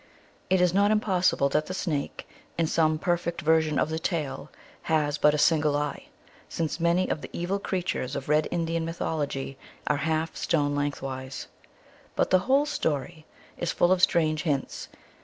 It is not im possible that the Snake, in some perfect version of the tale, has but a single eye, since many of the evil creatures of red Indian mythology are half stone lengthwise. But the whole story is full of strange hints.